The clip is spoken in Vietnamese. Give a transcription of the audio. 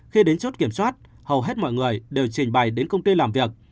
khi đến chốt kiểm soát hầu hết mọi người đều trình bày đến công ty làm việc